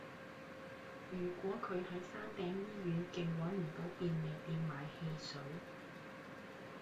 如果佢喺山頂醫院徑搵唔到便利店買汽水